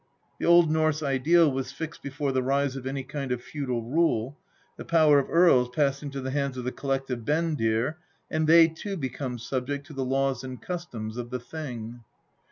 The Old Norse ideal was fixed before the rise of any kind of feudal rule ; the power of earls passed into the hands of the collective butndr, and they too become subject to the laws and customs of the Thing.